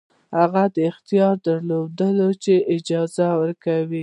هغوی اختیار درلود چې اجازه ورکړي.